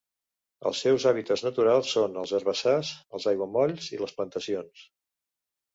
Els seus hàbitats naturals són els herbassars, els aiguamolls i les plantacions.